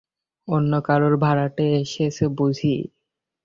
অন্য কোনো ভাড়াটে এসেছে বুঝি?